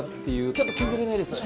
ちょっと削れないです。